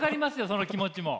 その気持ちも。